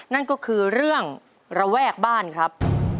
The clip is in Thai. นั่นก็คือเรื่องระแวกบ้านครับ